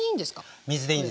水でいいんです。